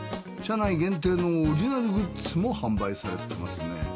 車内限定のオリジナルグッズも販売されてますね。